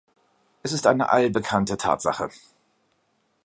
Es ist eine allbekannte Tatsache.